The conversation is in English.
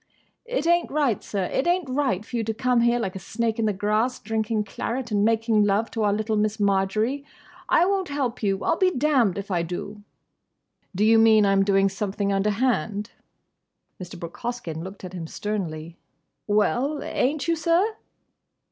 "It ain't right, sir. It ain't right for you to come here like a snake in the grass drinking claret and making love to our little Miss Marjory. I won't help you! I'll be damned if I do!" "Do you mean I'm doing something underhand?" Mr. Brooke Hoskyn looked at him sternly. "Well—ain't you, sir?"